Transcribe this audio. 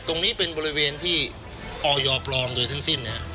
ตรงนี้เป็นบริเวณที่ออยปลอมโดยทั้งสิ้น